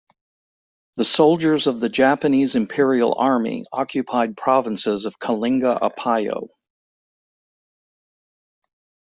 The soldiers of the Japanese Imperial Army occupied provinces of Kalinga-Apayao.